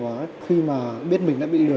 quá khi mà biết mình đã bị lừa